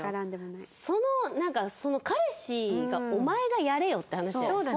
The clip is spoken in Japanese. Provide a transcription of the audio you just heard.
そのなんか彼氏がお前がやれよって話じゃないですか。